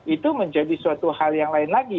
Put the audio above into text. itu menjadi suatu hal yang lain lagi